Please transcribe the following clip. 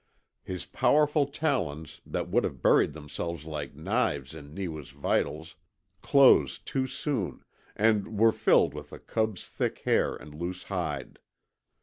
His powerful talons that would have buried themselves like knives in Neewa's vitals closed too soon, and were filled with the cub's thick hair and loose hide.